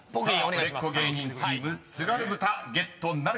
［売れっ子芸人チームつがる豚ゲットなるか？］